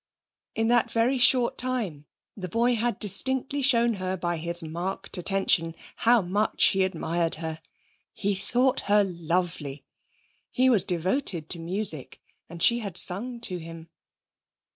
In that very short time the boy had distinctly shown her by his marked attention how much he admired her. He thought her lovely. He was devoted to music and she had sung to him.